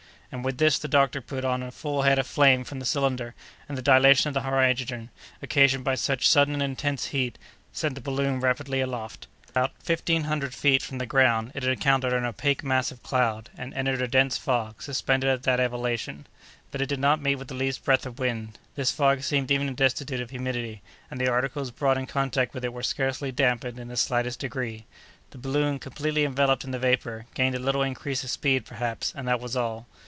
And with this, the doctor put on a full head of flame from the cylinder, and the dilation of the hydrogen, occasioned by such sudden and intense heat, sent the balloon rapidly aloft. About fifteen hundred feet from the ground, it encountered an opaque mass of cloud, and entered a dense fog, suspended at that elevation; but it did not meet with the least breath of wind. This fog seemed even destitute of humidity, and the articles brought in contact with it were scarcely dampened in the slightest degree. The balloon, completely enveloped in the vapor, gained a little increase of speed, perhaps, and that was all.